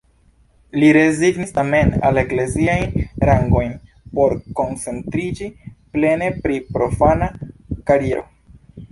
Li rezignis tamen la ekleziajn rangojn, por koncentriĝi plene pri profana kariero.